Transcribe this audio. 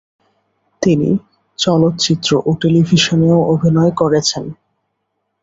তিনি চলচ্চিত্র ও টেলিভিশনেও অভিনয় করেছেন।